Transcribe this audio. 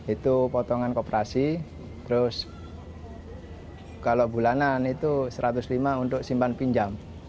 itu potongan koperasi terus kalau bulanan itu satu ratus lima untuk simpan pinjam